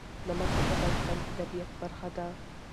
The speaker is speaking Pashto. نمک د افغانستان د طبیعت برخه ده.